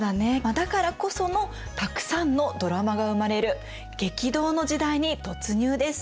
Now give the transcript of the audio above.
だからこそのたくさんのドラマが生まれる激動の時代に突入です。